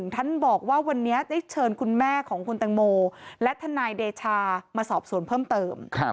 ท่านบอกว่าวันนี้ได้เชิญคุณแม่ของคุณตังโมและทนายเดชามาสอบสวนเพิ่มเติม